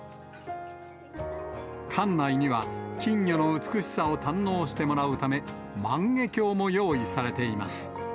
館内には金魚の美しさを堪能してもらうため、万華鏡も用意されています。